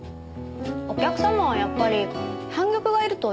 お客様はやっぱり半玉がいると喜ぶんですよ。